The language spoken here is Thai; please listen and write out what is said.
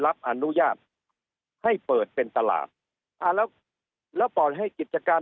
รับอนุญาตให้เปิดเป็นตลาดอ่าแล้วแล้วปล่อยให้กิจการ